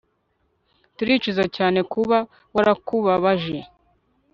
Turicuza cyane kuba warakubabaje